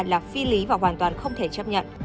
là phi lý và hoàn toàn không thể chấp nhận